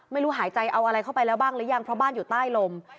ไม่รู้หายใจเอาอะไรเข้าไปแล้วบ้างหรือยังเพราะบ้านอยู่ใต้ลม